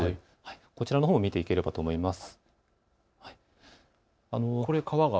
こちらのほうを見ていければと思います。